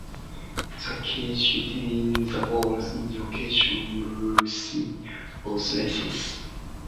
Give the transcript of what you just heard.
The cage retains the balls in location in grooves in both races.